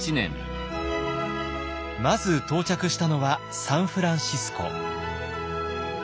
まず到着したのはサンフランシスコ。